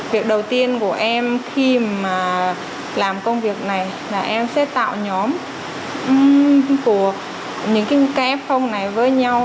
việc đầu tiên của em khi mà làm công việc này là em sẽ tạo nhóm của những kf phong này với nhau